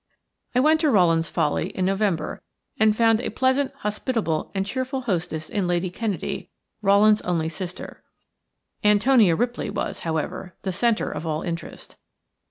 I went to Rowland's Folly in November, and found a pleasant, hospitable, and cheerful hostess in Lady Kennedy, Rowland's only sister. Antonia Ripley was, however, the centre of all interest.